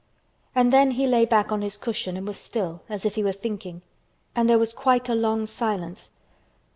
And then he lay back on his cushion and was still, as if he were thinking. And there was quite a long silence.